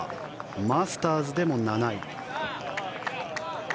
マスターズでも７位。